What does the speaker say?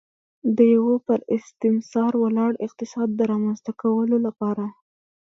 د یوه پر استثمار ولاړ اقتصاد رامنځته کولو لپاره.